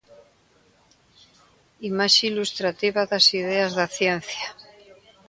Imaxe ilustrativa das ideas da ciencia.